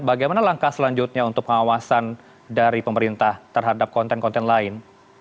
bagaimana langkah selanjutnya untuk pengawasan dari pemerintah terhadap konten konten lain